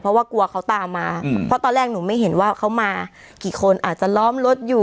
เพราะว่ากลัวเขาตามมาเพราะตอนแรกหนูไม่เห็นว่าเขามากี่คนอาจจะล้อมรถอยู่